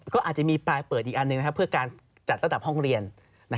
ก็อาจจะมีปลายเปิดอีกอันหนึ่งนะครับเพื่อการจัดระดับห้องเรียน